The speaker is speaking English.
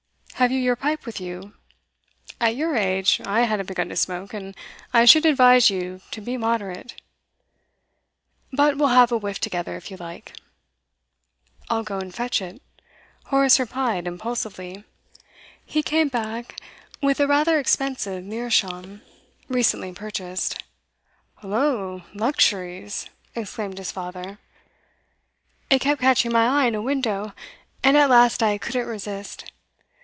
Have you your pipe with you? At your age I hadn't begun to smoke, and I should advise you to be moderate; but we'll have a whiff together, if you like.' 'I'll go and fetch it,' Horace replied impulsively. He came back with a rather expensive meerschaum, recently purchased. 'Hollo! luxuries!' exclaimed his father. 'It kept catching my eye in a window, and at last I couldn't resist.